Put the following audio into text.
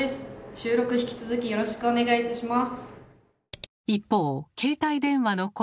収録引き続きよろしくお願いします。